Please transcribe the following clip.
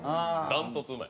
断トツうまい。